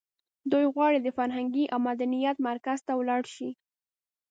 دی غواړي د فرهنګ او مدنیت مرکز ته ولاړ شي.